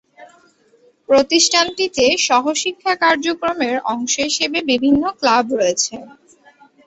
প্রতিষ্ঠানটিতে সহশিক্ষা কার্যক্রমের অংশ হিসেবে বিভিন্ন ক্লাব রয়েছে।